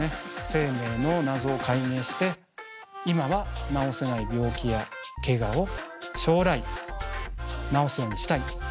生命の謎を解明して今は治せない病気やけがを将来治すようにしたい。